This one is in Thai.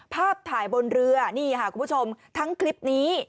ภาพถ่ายบนเรือนี่ค่ะคุณผู้ชมทั้งคลิปนี้